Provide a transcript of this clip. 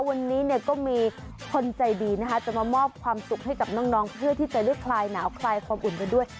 วันนี้ก็มีคนใจดีนะคะจะมามอบความสุขให้กับน้องเพื่อที่จะได้คลายหนาวคลายความอุ่นกันด้วย